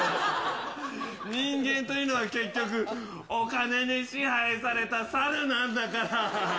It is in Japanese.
人間というのは結局、お金に支配された猿なんだから。